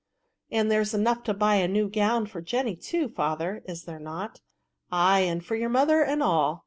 " And there's enough to buy a new gown for J^iny too^ father, is there not ?"" Ay, and for your mother and all."